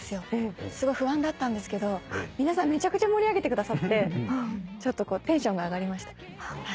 すごい不安だったんですけど皆さんめちゃくちゃ盛り上げてくださってちょっとテンションが上がりました。